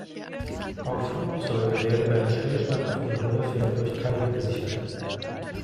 Auch Flugzeuge werden beim Stillstand auf dem Rollfeld durch Keile gesichert.